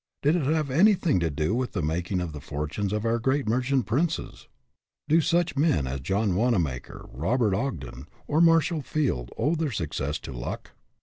Did it have anything to do with the making of the fortunes of our great merchant princes? Do such men as John Wanamaker, Robert Ogden, or Marshall Field owe their success to luck?